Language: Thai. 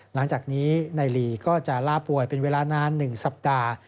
หลังจากนี้นายลีก็จะล่าป่วยเป็นเวลานาน๑สัปดาห์